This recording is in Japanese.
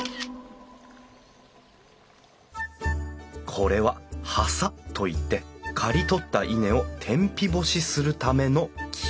これは「はさ」といって刈り取った稲を天日干しするための木。